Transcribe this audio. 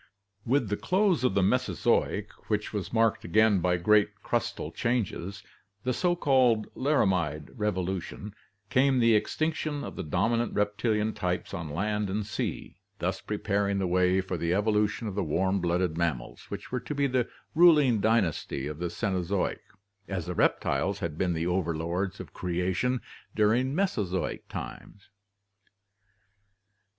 With the close of the Mesozoic, which was marked again by great crustal changes, the so called Laramide revolution, came the ex tinction of the dominant reptilian types on land and sea, thus pre paring the way for the evolution of the warm blooded mammals, which were to be the ruling dynasty of the Cenozoic as the reptiles had been the overlords of creation during Mesozoic times.